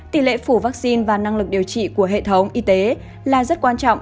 tỷ lệ phủ vaccine và năng lực điều trị của hệ thống y tế là rất quan trọng